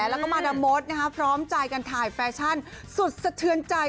แล้วก็มาดามดพร้อมใจกันถ่ายแฟชั่นสุดสะเทือนใจ